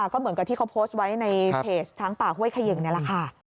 ก็เหมือนกับที่เขาโพสต์ไว้ในเพจช้างป่าห้วยเขย่งนี่แหละค่ะ